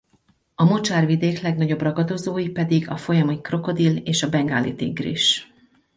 A mocsárvidék legnagyobb ragadozói pedig a folyami krokodil és a bengáli tigris.